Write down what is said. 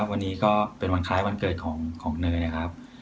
วันนี้ก็เป็นวันคล้ายวันเกิดของเนยครับ